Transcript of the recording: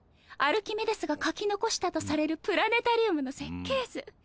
アルキメデスが書き残したとされるプラネタリウムの設計図。